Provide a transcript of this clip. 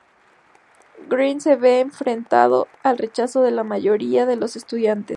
Greene se ve enfrentado al rechazo de la mayoría de los estudiantes.